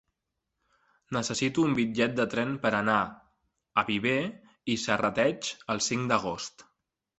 Necessito un bitllet de tren per anar a Viver i Serrateix el cinc d'agost.